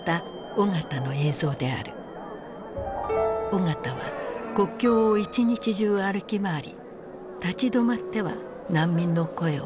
緒方は国境を一日中歩き回り立ち止まっては難民の声を聞いた。